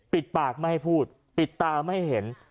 ปิดปากไม่ให้พูดปิดตาไม่เห็น